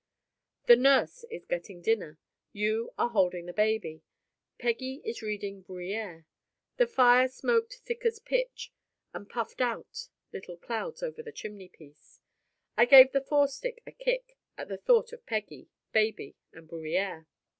The nurse is getting dinner; you are holding the baby; Peggy is reading Bruyère. The fire smoked thick as pitch, and puffed out little clouds over the chimney piece. I gave the fore stick a kick; at the thought of Peggy, baby, and Bruyère.